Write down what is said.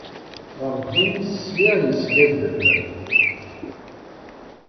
Werǧin i s-sliɣ yeskaddeb.